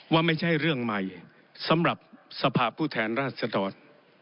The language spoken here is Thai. ว่าไม่ใช่เรื่องใหม่สำหรับสภาพผู้แทนราชดร